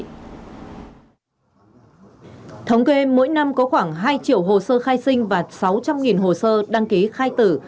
thống kê mỗi năm có khoảng hai triệu hồ sơ khai sinh và sáu trăm linh hồ sơ đăng ký khai tử